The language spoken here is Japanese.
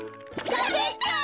しゃべった！